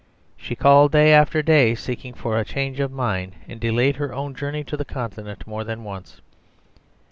She called day after day seeking for a change of mind, and delayed her own journey to the continent more than once.